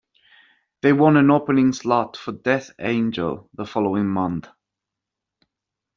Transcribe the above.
They won an opening slot for Death Angel the following month.